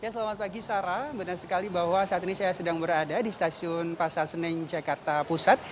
selamat pagi sarah benar sekali bahwa saat ini saya sedang berada di stasiun pasar senen jakarta pusat